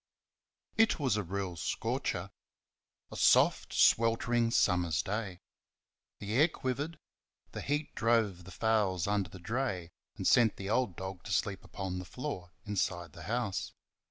It was a real scorcher. A soft, sweltering summer's day. The air quivered; the heat drove the fowls under the dray and sent the old dog to sleep upon the floor inside the house.